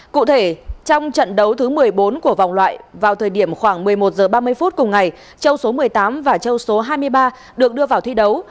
cụ thể trong trận đấu thứ một mươi bốn của vòng loại vào thời điểm khoảng một mươi một h ba mươi phút cùng ngày châu số một mươi tám và châu số hai mươi ba được đưa vào thi đấu